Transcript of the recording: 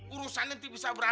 urusan ini bisa berabe